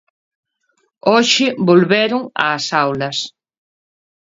Hoxe volveron ás aulas.